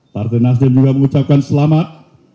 partai nasdem juga mengucapkan selamat